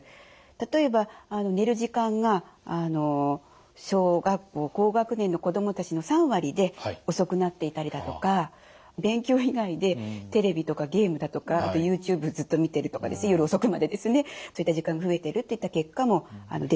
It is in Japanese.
例えば寝る時間が小学校高学年の子どもたちの３割で遅くなっていたりだとか勉強以外でテレビとかゲームだとかあとユーチューブずっと見てるとかですね夜遅くまでですねそういった時間が増えてるといった結果も出てきています。